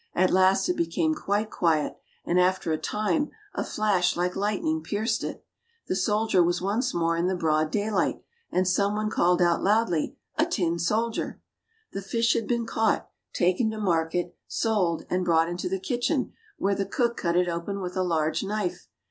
At last it became quite quiet, and after a time, a flash like lightning pierced it. The solider was once more in the broad daylight, and some one called out loudly, " a tin soldier! " The fish had been caught, taken to market, sold, and brought into the kitchen, where the cook cut it open with a large knife.